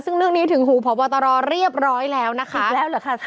ซึ่งเรื่องนี้ถึงหูพบตรเรียบร้อยแล้วนะคะอีกแล้วเหรอค่ะ